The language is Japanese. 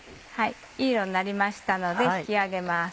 いい色になりましたので引き上げます。